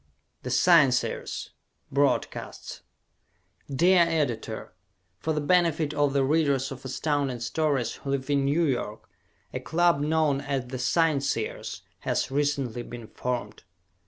"The Scienceers" Broadcasts Dear Editor: For the benefit of the readers of Astounding Stories who live in New York, a club known as The Scienceers has recently been formed.